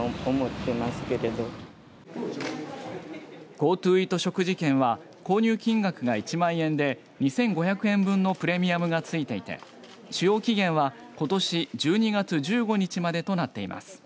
ＧｏＴｏイート食事券は購入金額が１万円で２５００円分のプレミアムがついていて使用期限は、ことし１２月１５日までとなっています。